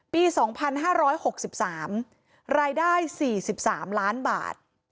ปีสองพันห้าร้อยหกสิบสามรายได้สี่สิบสามล้านบาท